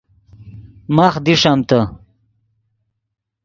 ماخ دیݰمتے